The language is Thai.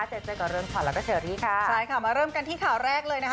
เจอเจอกับเรือนขวัญแล้วก็เชอรี่ค่ะใช่ค่ะมาเริ่มกันที่ข่าวแรกเลยนะคะ